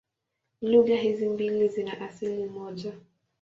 Lugha hizi mbili zina asili moja.